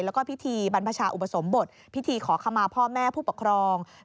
แล้วก็พิธีบรรพชาอุปสมบทพิธีขอขมาพ่อแม่ผู้ปกครอง